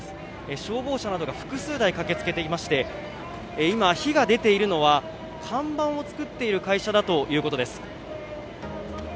消防車などが複数台駆けつけていまして、今、火が出ているのは、看板を作っている会社だということです。